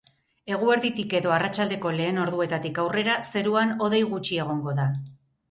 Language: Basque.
Eguerditik edo arratsaldeko lehen orduetatik aurrera zeruan hodei gutxi egongo da.